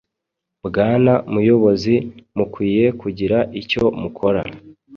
bwana muyobozi mukwiye kugira icyo mukora